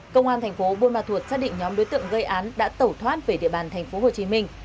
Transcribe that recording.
công an thành phố buôn ma thuột xác định nhóm đối tượng gây án đã tẩu thoát về địa bàn thành phố hồ chí minh